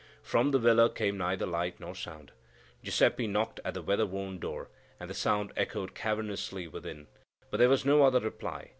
From the villa came neither light nor sound. Giuseppe knocked at the weather worn door, and the sound echoed cavernously within; but there was no other reply.